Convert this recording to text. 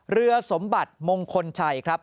เรือสมบัติมงคลชัยครับ